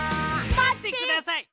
まってください！